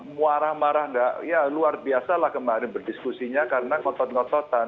muarah marah nggak ya luar biasalah kemarin berdiskusinya karena ngotot ngototan